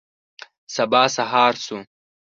سبا سهار شو.